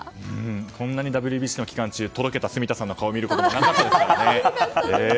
こんなにＷＢＣの期間中とろけた住田さんの顔見ることがなかったですからね。